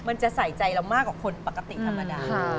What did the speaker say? มันจะใส่ใจเรามากกว่าคนปกติธรรมดา